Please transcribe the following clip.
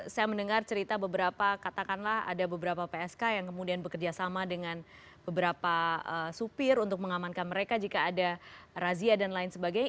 saya mendengar cerita beberapa katakanlah ada beberapa psk yang kemudian bekerja sama dengan beberapa supir untuk mengamankan mereka jika ada razia dan lain sebagainya